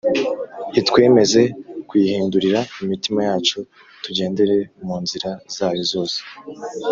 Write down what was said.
itwemeze kuyihindurira imitima yacu tugendere mu nzira zayo zose